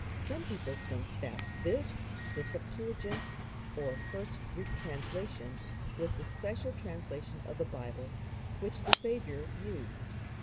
Some people think that this, the Septuagint, or first Greek translation, was the special translation of the Bible which the Saviour used.